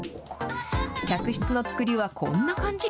客室の作りはこんな感じ。